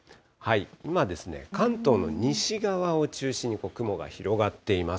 今ですね、関東の西側を中心に雲が広がっています。